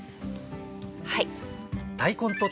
はい。